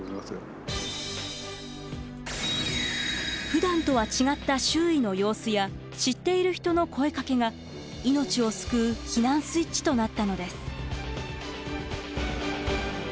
ふだんとは違った周囲の様子や知っている人の声かけが命を救う避難スイッチとなったのです。